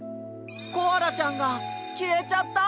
コアラちゃんがきえちゃった！